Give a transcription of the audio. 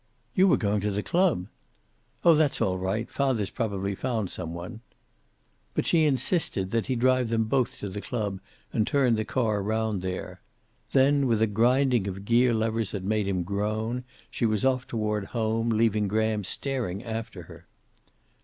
"You were going to the club." "Oh, that's all right. Father's probably found some one." But she insisted that he drive them both to the club, and turn the car round there. Then, with a grinding of gear levers that made him groan, she was off toward home, leaving Graham staring after her.